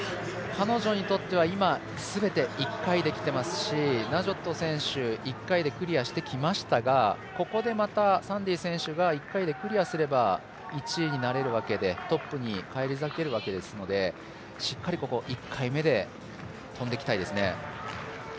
彼女にとっては今全て１回で、きてますしナジョット選手、１回でクリアしてきましたがここで、またサンディ選手が１回でクリアすれば１位になれるわけでトップに返り咲けるわけですのでしっかりここ１回目で跳んでいきたいですね。